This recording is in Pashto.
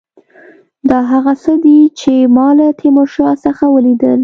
دا هغه څه دي چې ما له تیمورشاه څخه ولیدل.